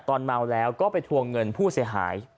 ตอนเมาแล้วก็ไปทวงเงินผู้เสียหาย